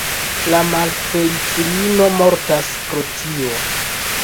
La malfeliĉulino mortas pro tio.